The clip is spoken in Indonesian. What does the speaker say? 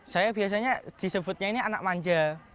saya biasanya disebutnya ini anak manja